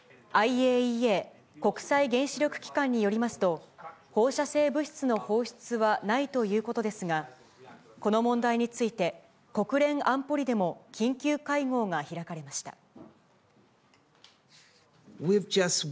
ＩＡＥＡ・国際原子力機関によりますと、放射性物質の放出はないということですが、この問題について、国連安保理でも緊急会合が開かれました。